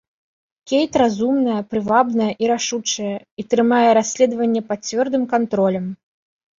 Кейт разумная, прывабная і рашучая і трымае расследаванне пад цвёрдым кантролем.